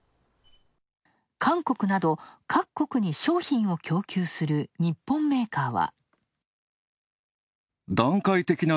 韓国など各国に商品を供給する日本メーカーは。